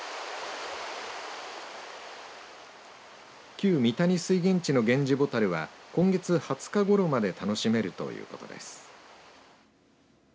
旧美歎水源地のゲンジボタルは今月２０日ごろまで楽しめるということです。